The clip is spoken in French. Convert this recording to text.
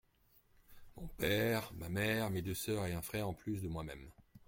Mon père, ma mère, mes deux sœurs et un frère en plus de moi-même.